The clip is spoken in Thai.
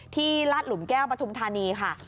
ลาดหลุมแก้วปฐุมธานีค่ะ